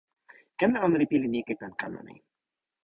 ken la, ona li pilin ike tan kama mi.